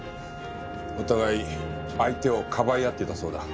お互い相手をかばい合っていたそうだ。